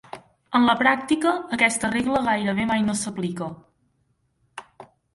En la pràctica, aquesta regla gairebé mai no s'aplica.